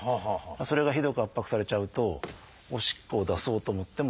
それがひどく圧迫されちゃうとおしっこを出そうと思っても出ない。